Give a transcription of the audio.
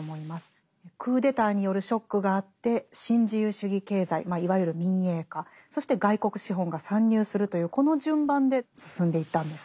クーデターによるショックがあって新自由主義経済いわゆる民営化そして外国資本が参入するというこの順番で進んでいったんですね。